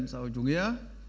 sau chủ nghĩa